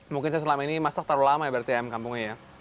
mungkin saya selama ini masak terlalu lama ya berarti ayam kampungnya ya